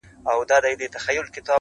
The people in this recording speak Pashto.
• ته تر څه تورو تیارو پوري یې تللی -